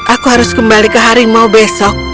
aku harus kembali ke harimau besok